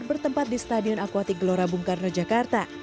bertempat di stadion akuatik gelora bung karno jakarta